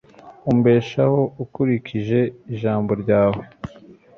umbesheho ukurikije ijambo ryawe